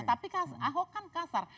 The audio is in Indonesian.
tapi ahok kan kasar